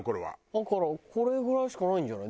だからこれぐらいしかないんじゃない？